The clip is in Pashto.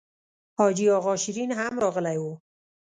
حاجي اغا شېرین هم راغلی و.